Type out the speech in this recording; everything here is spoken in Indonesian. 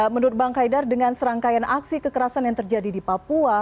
menurut bang haidar dengan serangkaian aksi kekerasan yang terjadi di papua